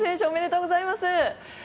おめでとうございます。